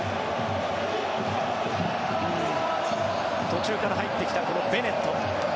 途中から入ってきたこのベネット。